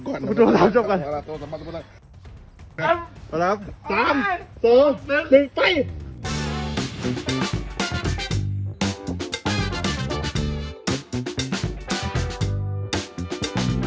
กลัวอย่านะอย่านะไอโฟนสิบห้าจะเข้ารึเปล่า